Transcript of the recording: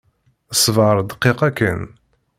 Sbeṛ dqiqa kan!